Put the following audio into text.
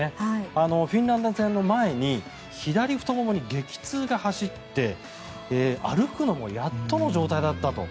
フィンランド戦の前に左太ももに激痛が走って歩くのもやっとの状態だったと。